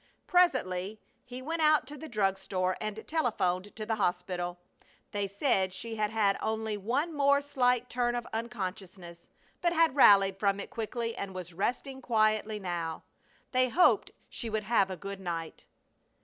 Presently he went out to the drug store and telephoned to the hospital. They said she had had only one more slight turn of unconsciousness, but had rallied from it quickly and was resting quietly now. They hoped she would have a good night.